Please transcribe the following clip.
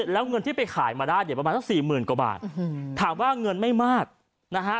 แล้วเงินที่ไปขายมาได้เนี่ยประมาณสักสี่หมื่นกว่าบาทถามว่าเงินไม่มากนะฮะ